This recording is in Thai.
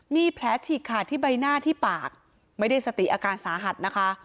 มีแผลฉีกขาดที่ใบหน้าที่ปากไม่ได้สติอาการสาหัสนะคะ